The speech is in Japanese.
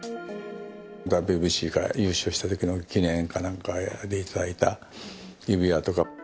ＷＢＣで優勝したときの記念かなんかで頂いた指輪とか。